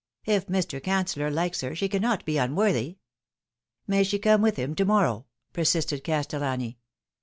If Mr. Cancellor likes her she cannot be unworthy." "May she come with him to morrow ?" persisted Castellani.